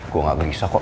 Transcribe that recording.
gue gak gelisah kok